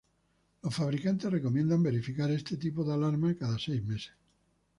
Los fabricantes recomiendan verificar este tipo de alarma cada seis meses.